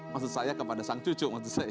maksud saya kepada sang cucu